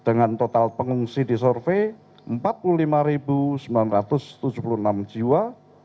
dengan total pengungsi di survei empat puluh lima sembilan ratus tujuh puluh enam jiwa